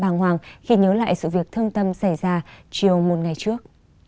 bàng hoàng khi nhớ lại sự việc thương tâm xảy ra chiều một ngày trước